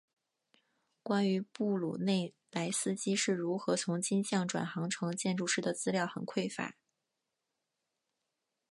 关于布鲁内莱斯基是如何从金匠转行成建筑师的资料很匮乏。